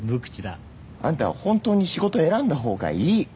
あんたは本当に仕事選んだ方がいい。